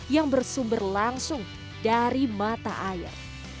yang bersumber langsung dari mata air